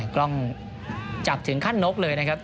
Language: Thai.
กล้องจับถึงขั้นนกเลยนะครับ